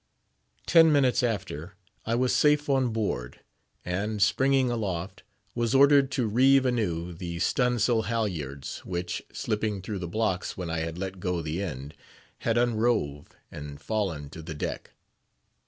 Ten minutes after, I was safe on board, and, springing aloft, was ordered to reeve anew the stun' sail halyards, which, slipping through the blocks when I had let go the end, had unrove and fallen to the deck.